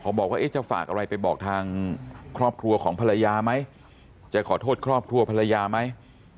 บอกว่าจะฝากอะไรไปบอกทางครอบครัวของภรรยาไหมจะขอโทษครอบครัวภรรยาไหม